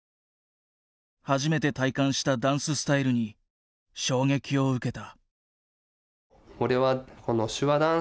初めて体感したダンススタイルに衝撃を受けた。